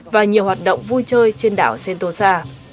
và nhiều hoạt động vui chơi trên đảo sentosa